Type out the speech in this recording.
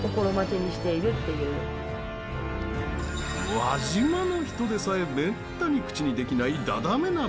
輪島の人でさえ、めったに口にできないダダメ鍋。